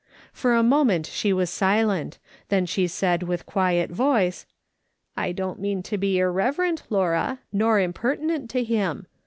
For a moment she was silent, then she said with quiet voice :" I don't mean to be irreverent, Laura, nor imper tinent to him.